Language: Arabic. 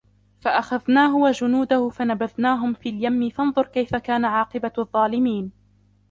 فأخذناه وجنوده فنبذناهم في اليم فانظر كيف كان عاقبة الظالمين